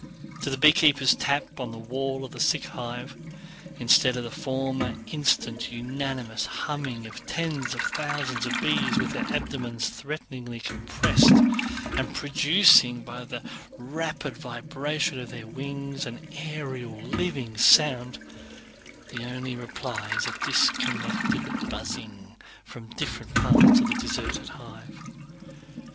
To the beekeeper's tap on the wall of the sick hive, instead of the former instant unanimous humming of tens of thousands of bees with their abdomens threateningly compressed, and producing by the rapid vibration of their wings an aerial living sound, the only reply is a disconnected buzzing from different parts of the deserted hive.